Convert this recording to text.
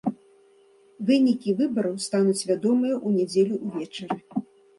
Вынікі выбараў стануць вядомыя ў нядзелю ўвечары.